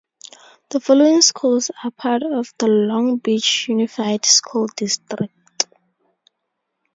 The following schools are part of the Long Beach Unified School District.